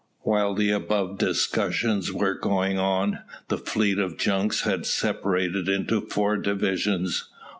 While the above discussion was going on, the fleet of junks had separated into four divisions.